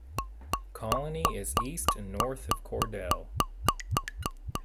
Colony is east and north of Cordell.